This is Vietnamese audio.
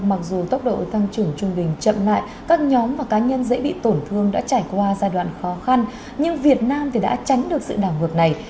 mặc dù tốc độ tăng trưởng trung bình chậm lại các nhóm và cá nhân dễ bị tổn thương đã trải qua giai đoạn khó khăn nhưng việt nam thì đã tránh được sự đảo ngược này